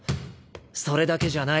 それだけじゃない。